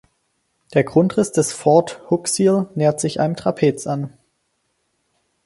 Der Grundriss des Fort Hooksiel nähert sich einem Trapez an.